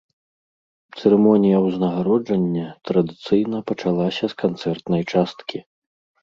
Цырымонія ўзнагароджання традыцыйна пачалася з канцэртнай часткі.